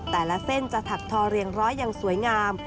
เส้นจะถักทอเรียงร้อยอย่างสวยงาม